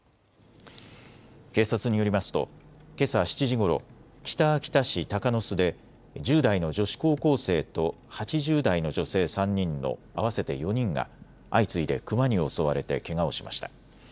警察によりますとけさ７時ごろ北秋田市鷹巣で１０代の女子高校生と８０代の女性３人の合わせて４人が相次いでクマに襲われてけがをしました。